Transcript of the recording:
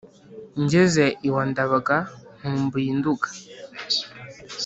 Ngeze iwa Ndabaga nkumbuye i Nduga